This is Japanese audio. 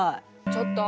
ちょっと！